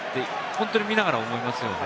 本当に見ながら思いますよね。